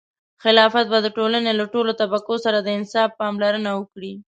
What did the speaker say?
خلافت به د ټولنې له ټولو طبقو سره د انصاف پاملرنه وکړي.